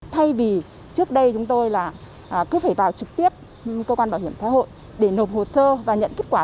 thay vì trước đây chúng tôi là cứ phải vào trực tiếp cơ quan bảo hiểm xã hội để nộp hồ sơ và nhận kết quả